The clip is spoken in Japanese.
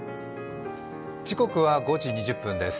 時刻は５時２０分です。